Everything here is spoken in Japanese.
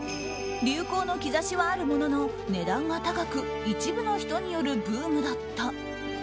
流行の兆しはあるものの値段が高く一部の人によるブームだった。